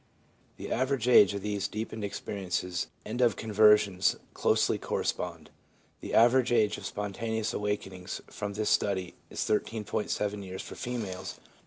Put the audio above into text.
The average age of these deepened experiences and of conversions closely correspond. The average age of spontaneous awakenings from this study is 13.7 years for females, and 16.